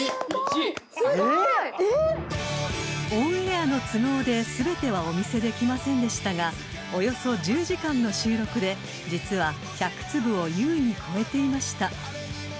［オンエアの都合で全てはお見せできませんでしたがおよそ１０時間の収録で実は１００粒を優に超えていました］